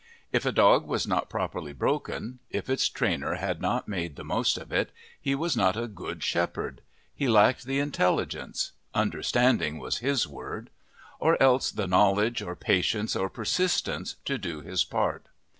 If a dog was not properly broken, if its trainer had not made the most of it, he was not a "good shepherd": he lacked the intelligence "understanding" was his word or else the knowledge or patience or persistence to do his part.